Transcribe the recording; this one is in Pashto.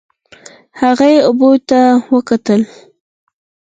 هغې اوبو ته وکتل.